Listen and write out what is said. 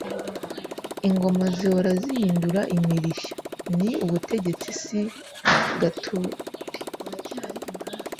Ingoma zihora zihindura imirishyo ni Ubutegetsi si gature.